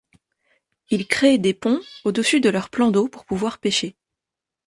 Ils créent des ponts au-dessus de leurs plans d’eau pour pouvoir pécher.